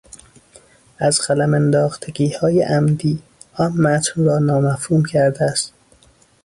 از قلم انداختگیهای عمدی، آن متن را نامفهوم کرده است.